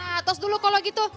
wah tos dulu kalau gitu